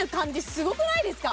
すごくないですか？